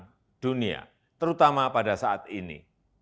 dapat mempersatukan dunia terutama pada saat ini